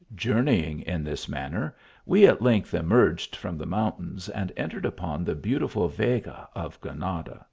Jour neying in this manner, we at length emerged from the mountains, and entered upon the beautiful Vega of Granada.